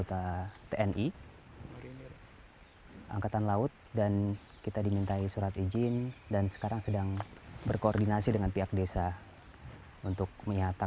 untuk menyatakan bahwa kita memiliki izin untuk menuju ke lokasi angel revenue functionatu